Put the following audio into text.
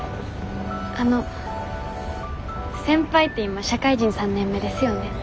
あの先輩って今社会人３年目ですよね？